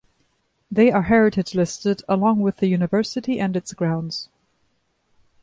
They are heritage-listed along with the University and its grounds.